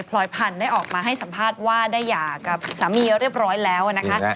ลอยพันธุ์ได้ออกมาให้สัมภาษณ์ว่าได้หย่ากับสามีเรียบร้อยแล้วนะคะ